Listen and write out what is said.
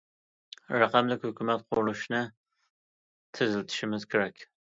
رەقەملىك ھۆكۈمەت قۇرۇلۇشىنى تېزلىتىشىمىز كېرەك.